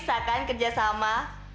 bisa kan kerja sama